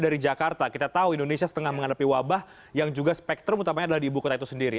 dari jakarta kita tahu indonesia setengah menghadapi wabah yang juga spektrum utamanya adalah di ibu kota itu sendiri